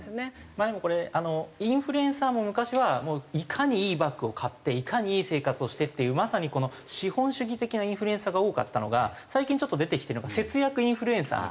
前もこれあのインフルエンサーも昔はいかにいいバッグを買っていかにいい生活をしてっていうまさに資本主義的なインフルエンサーが多かったのが最近ちょっと出てきてるのが節約インフルエンサーみたいな。